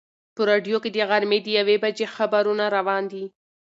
په راډیو کې د غرمې د یوې بجې خبرونه روان دي.